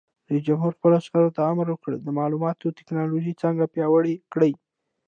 رئیس جمهور خپلو عسکرو ته امر وکړ؛ د معلوماتي تکنالوژۍ څانګه پیاوړې کړئ!